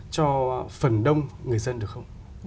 cho phần đông người dân được không